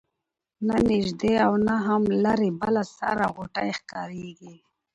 نه نیژدې او نه هم لیري بله سره غوټۍ ښکاریږي